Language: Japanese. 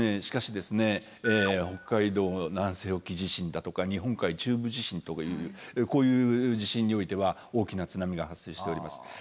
しかし北海道南西沖地震だとか日本海中部地震とかいうこういう地震においては大きな津波が発生しております。